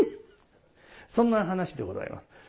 そんな話でございます。